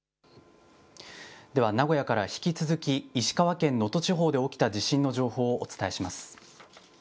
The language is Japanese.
では、名古屋から引き続き、石川県能登地方で起きた地震の情報をお伝えします。